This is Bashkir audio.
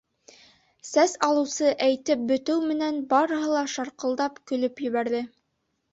Сәс алыусы әйтеп бөтөү менән барыһы ла шарҡылдап көлөп ебәрҙе.